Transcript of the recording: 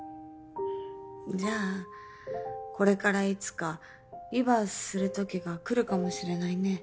じゃあこれからいつかリバースするときが来るかもしれないね。